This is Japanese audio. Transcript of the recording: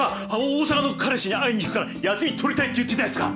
大阪の彼氏に会いに行くから休み取りたいって言ってたやつか！